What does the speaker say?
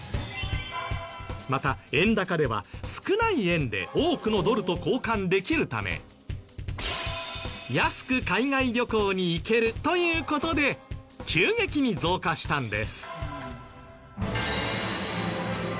また円高では少ない円で多くのドルと交換できるため安く海外旅行に行けるという事で急激に増加したんです。